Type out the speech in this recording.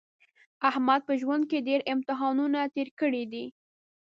احمد په ژوند کې ډېر امتحانونه تېر کړي دي.